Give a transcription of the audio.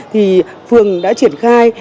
thì phường đã triển khai